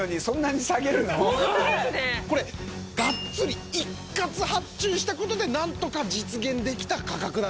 これがっつり一括発注したことで何とか実現できた価格なんですね。